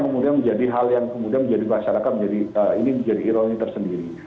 kemudian menjadi hal yang kemudian menjadi masyarakat menjadi ini menjadi ironi tersendiri